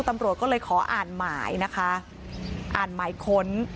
ตำรวจก็เลยขออ่านหมายนะคะอ่านหมายค้น